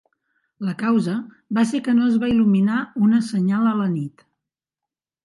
La causa va ser que no es va il·luminar una senyal a la nit.